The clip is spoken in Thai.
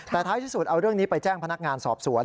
แต่ท้ายที่สุดเอาเรื่องนี้ไปแจ้งพนักงานสอบสวน